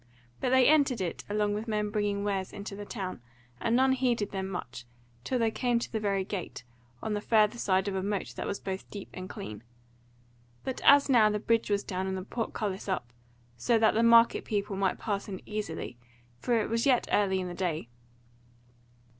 But they entered it along with men bringing wares into the town, and none heeded them much, till they came to the very gate, on the further side of a moat that was both deep and clean; but as now the bridge was down and the portcullis up, so that the market people might pass in easily, for it was yet early in the day.